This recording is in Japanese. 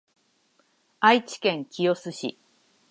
愛知県清須市